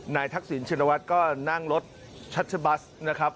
นายทักษิณชินวัทย์ก็นั่งรถชัชชายาบอสนะครับ